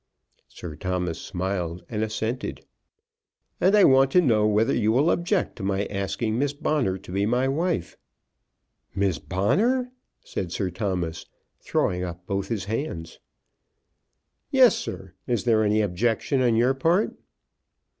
Sir Thomas smiled and assented. "And I want to know whether you will object to my asking Miss Bonner to be my wife." "Miss Bonner!" said Sir Thomas, throwing up both his hands. "Yes, sir; is there any objection on your part?"